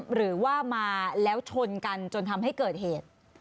หรือว่ามาแล้วชนกันจนทำให้เกิดเหตุ